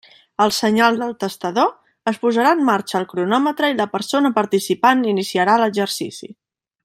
Al senyal del testador, es posarà en marxa el cronòmetre i la persona participant iniciarà l'exercici.